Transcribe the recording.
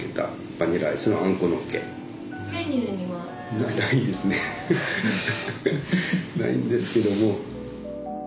ないんですけども。